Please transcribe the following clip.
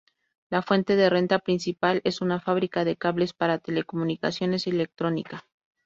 La fuente de renta principal es una fábrica de cables para telecomunicaciones y electrónica.